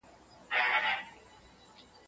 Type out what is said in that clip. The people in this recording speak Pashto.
بهرنی سیاست د هیواد وقار لوړوي.